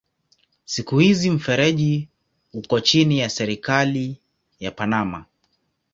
Siku hizi mfereji uko chini ya serikali ya Panama.